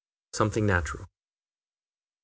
SOMETHING NATURAL. I.